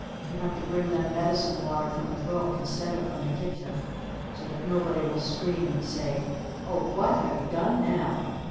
You have to bring them medicine water from the brook instead of from the kitchen so that nobody will scream and say, "Oh, what have you done now?